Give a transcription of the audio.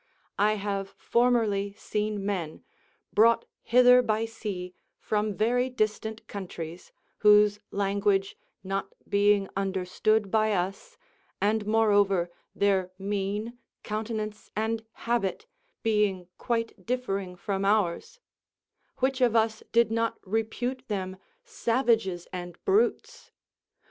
I have formerly seen men, brought hither by sea from very distant countries, whose language not being understood by us, and moreover their mien, countenance, and habit, being quite differing from ours; which of us did not repute them savages and brutes!